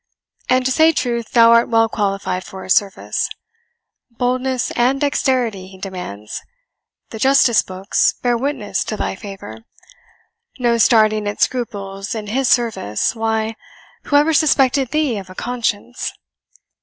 And, to say truth, thou art well qualified for his service. Boldness and dexterity he demands the justice books bear witness in thy favour; no starting at scruples in his service why, who ever suspected thee of a conscience?